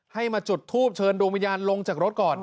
ให้มาจุดทูปเชิญดวงวิญญาณลงจากรถก่อน